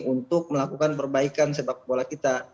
untuk melakukan perbaikan sepak bola kita